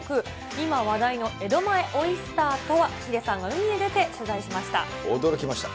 今話題の江戸前オイスターとは、ヒデさんが海へ出て取材しました。